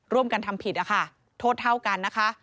ร่วมกันทำผิดอะค่ะโทษเท่ากันนะคะ